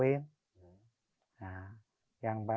ada yang dikirim